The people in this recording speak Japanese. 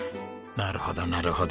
なるほどなるほど。